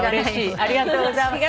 ありがとうございます。